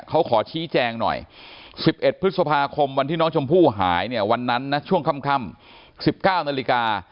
เขาขอชี้แจงหน่อย๑๑พฤษภาคมวันที่น้องชมพู่หายเนี่ยวันนั้นนะช่วงค่ำ๑๙นาฬิกา